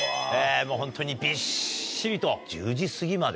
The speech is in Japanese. ホントにびっしりと１０時過ぎまで。